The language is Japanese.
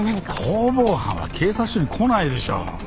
逃亡犯は警察署に来ないでしょ。